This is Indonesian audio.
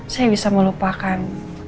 saya bisa melupakan